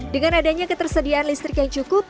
dengan adanya ketersediaan listrik yang cukup